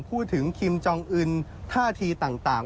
พูดถึงคิมจองอื่นท่าทีต่าง